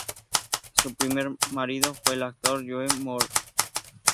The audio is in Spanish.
Su primer marido fue el actor Joe Moore.